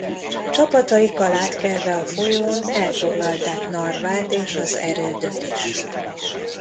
Csapataikkal átkelve a folyón elfoglalták Narvát és az erődöt is.